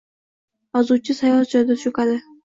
Yozuvchi sayoz joyda cho`kadi